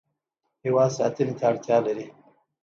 هیواد ساتنې ته اړتیا لري.